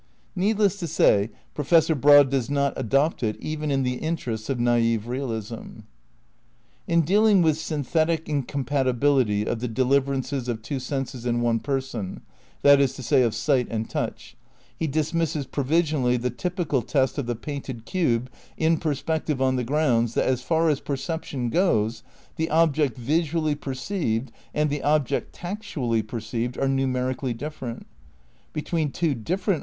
" Needless to say Professor Broad does not adopt it even in the interests of naif realism. In dealing with "synthetic incompatibihty" of the deliverances of two senses in one person, that is to say, of sight and touch, he dismisses provisionally the typi cal test of the painted cube in perspective on the grounds that, "as far as perception goes," the object visually perceived and the object tactually perceived are numerically different.